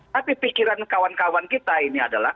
tapi pikiran kawan kawan kita ini adalah